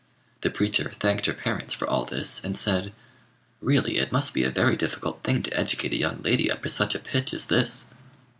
The preacher thanked her parents for all this, and said "Really, it must be a very difficult thing to educate a young lady up to such a pitch as this."